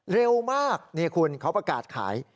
เร็วมากนี่คุณเขาประกาศขาย